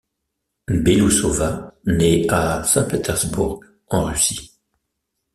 Belousova naît à Saint-Pétersbourg, en Russie.